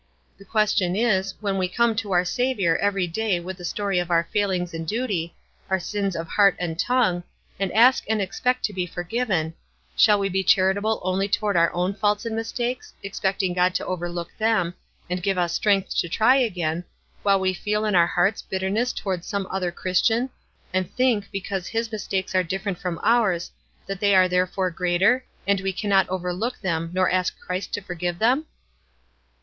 The question is, when we come to our Saviour every day with the story of our failings in duty, our sms of heart and tongue, and ask and expect to be forgiven, shall we be charitable only toward our own faults and mistakes, expecting God to overlook them, and give us strength to try again, while we feel in our hearts bitterness to ward some other Christian, and think, because his mistakes are different from ours, that they are therefore greater, and we cannot overlook them, nor ask Christ to forgive them?"